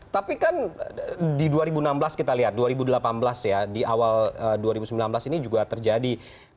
tapi kan di dua ribu enam belas kita lihat dua ribu delapan belas ya di awal dua ribu sembilan belas ini juga terjadi